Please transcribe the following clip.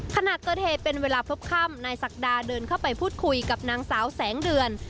ขณะเกิดเหตุเป็นเวลาพบค่ำนายศักดาเดินเข้าไปพูดคุยกับนางสาวแสงเดือน